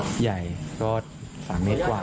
ใหญ่ก็๓เมตรกว่า